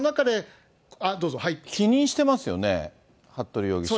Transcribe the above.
否認してますよね、服部容疑者。